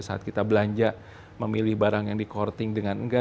saat kita belanja memilih barang yang di courting dengan enggak